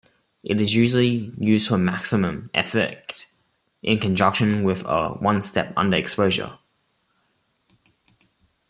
It usually is used to maximum effect in conjunction with a one-stop underexposure.